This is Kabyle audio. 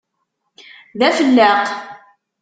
D afellaq!